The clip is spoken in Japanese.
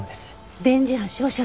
電磁波照射装置